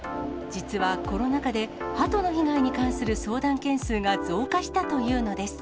実はコロナ禍で、ハトの被害に関する相談件数が増加したというのです。